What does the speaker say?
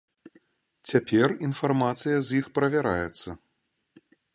Цяпер інфармацыя з іх правяраецца.